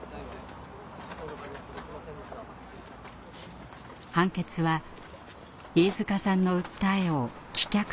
判決は飯塚さんの訴えを棄却するものでした。